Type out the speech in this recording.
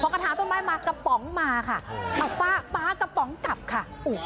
กระถางต้นไม้มากระป๋องมาค่ะเอาป้าป๊ากระป๋องกลับค่ะ